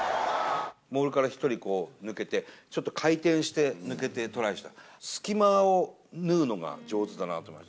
モールから１人抜けて、ちょっと回転して抜けてトライした、隙間を縫うのが上手だなと思います。